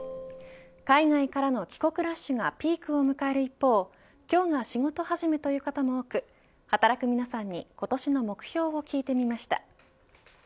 海外からの帰国ラッシュがピークを迎える一方今日が仕事始めという方も多く働く皆さんに今年の目標を聞いてみました。